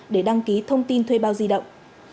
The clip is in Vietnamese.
để đăng ký thông tin thuê bao di động